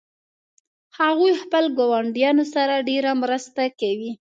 هغوی خپل ګاونډیانو سره ډیره مرسته کوي